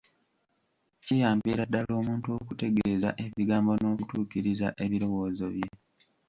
Kiyambira ddala omuntu okutegeeza ebigambo n'okutukiriza ebirowozo bye.